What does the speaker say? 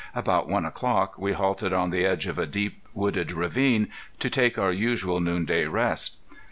About one o'clock we halted on the edge of a deep wooded ravine to take our usual noonday rest.